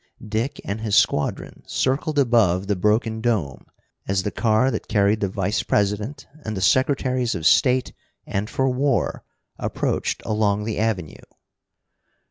Dick and his squadron circled above the broken dome as the car that carried the Vice president and the secretaries of State and for War approached along the Avenue.